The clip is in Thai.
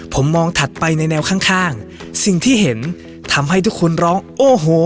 ผมมองถัดไปในแนวข้างสิ่งที่เห็นทำให้ทุกคนร้องโอ้โห